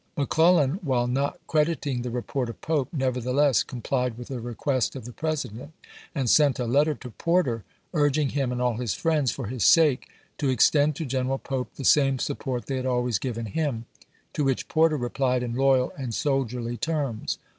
McClellan, while not crediting the report of Pope, nevertheless com plied with the request of the President, and sent a letter to Porter urging him and all his friends, for his sake, to extend to G eneral Pope the same sup port they had always given him, to which Porter replied in loyal and soldierly terms.